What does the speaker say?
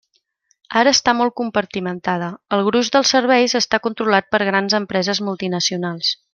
Ara està molt compartimentada, el gruix dels serveis està controlat per grans empreses multinacionals.